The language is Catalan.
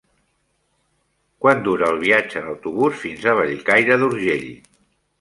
Quant dura el viatge en autobús fins a Bellcaire d'Urgell?